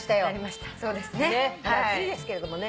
まだ暑いですけれどもね。